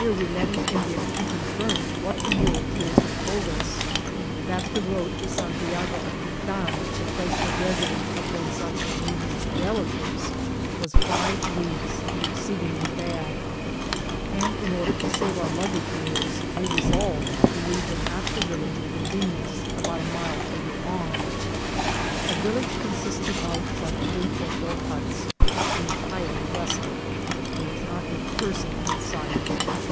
157 we met an Indian, who confirmed what the muleteers had told us, that the road to Santiago Atitan, the place of residence of Don Saturnino's relatives, was five leagues, and exceedingly bad, and, in order to save our luggage mules, we resolved to leave them at the village of Godines, about a mile farther on. The vil lage consisted of but three or four huts, entirely deso late ; there was not a person in sight.